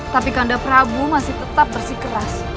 tapi kanda prabu masih bersikeras